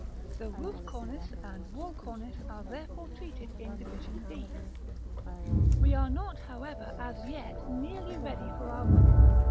The roof cornice and wall cornice are therefore treated in division D. We are not, however, as yet nearly ready for our roof.